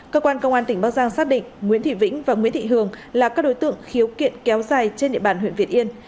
cơ quan công an tỉnh bắc giang xác định nguyễn thị vĩnh và nguyễn thị hường là các đối tượng khiếu kiện kéo dài trên địa bàn huyện việt yên